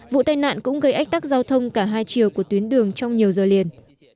vụ tai nạn cũng gây ách tắc giao thông cả hai chiều của tuyến đường trong nhiều giờ liền